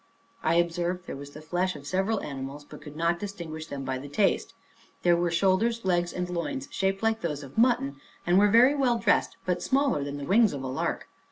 I observed there was the flesh of several animals, but could not distinguish them by the taste. There were shoulders, legs, and loins, shaped like those of mutton, and very well dressed, but smaller than the wings of a lark.